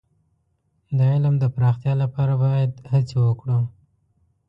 د علم د پراختیا لپاره هڅې باید وکړو.